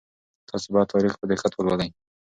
تاسي باید تاریخ په دقت ولولئ.